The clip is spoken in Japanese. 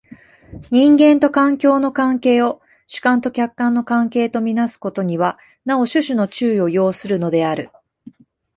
人間と環境の関係を主観と客観の関係と看做すことにはなお種々の注意を要するのである。